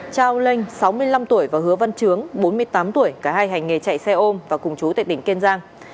trao lệnh sáu mươi năm tuổi và hứa văn trướng bốn mươi tám tuổi cả hai hành nghề chạy xe ôm và cùng chú tại tỉnh kiên giang